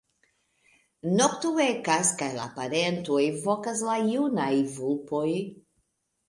Nokto ekas, kaj la parentoj vokas la junajn vulpojn.